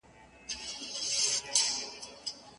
اجتماعي نهادونه د بشري اړیکو په پرتله د ژوند ډیر مهمه برخه دی.